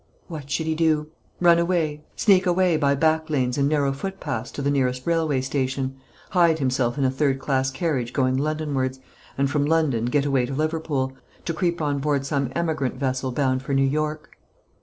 What should he do? Run away, sneak away by back lanes and narrow footpaths to the nearest railway station, hide himself in a third class carriage going Londonwards, and from London get away to Liverpool, to creep on board some emigrant vessel bound for New York?